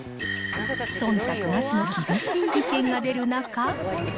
そんたくなしの厳しい意見が出る中。